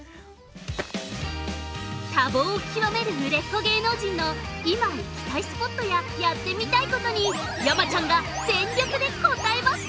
◆多忙をきわめる売れっ子芸能人の今行きたいスポットややってみたいことに山ちゃんが全力で応えます。